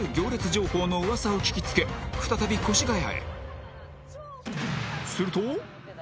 情報の噂を聞きつけ再び越谷へあれ？